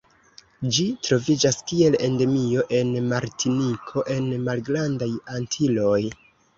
Ĝi troviĝas kiel endemio en Martiniko en Malgrandaj Antiloj.